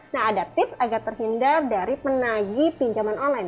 nah ada tips agar terhindar dari penagi pinjaman online